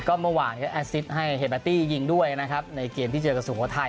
เมื่อวานก็แอดซิตให้เฮเบตตี้ยิงด้วยนะครับในเกมที่เจอกับสุโขทัย